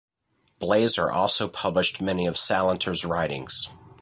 Blazer also published many of Salanter's writings.